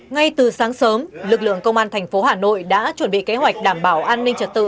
ngay từ sáng sớm lực lượng công an thành phố hà nội đã chuẩn bị kế hoạch đảm bảo an ninh trật tự